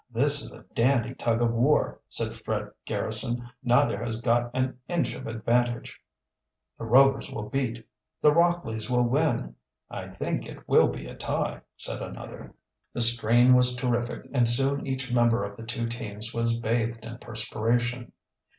"This is a dandy tug of war," said Fred Garrison. "Neither has got an inch of advantage." "The Rovers will beat!" "The Rockleys will win!" "I think it will be a tie," said another. The strain was terrific and soon each member of the two teams was bathed in perspiration.